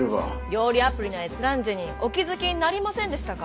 料理アプリの閲覧時にお気付きになりませんでしたか？